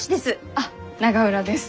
あっ永浦です。